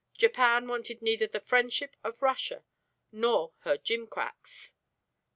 Japan wanted neither the friendship of Russia nor her gimcracks.